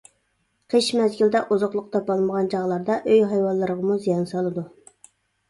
قىش مەزگىلىدە ئوزۇقلۇق تاپالمىغان چاغلاردا ئۆي ھايۋانلىرىغىمۇ زىيان سالىدۇ.